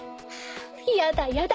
やだやだ